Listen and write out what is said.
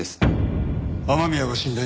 雨宮が死んだ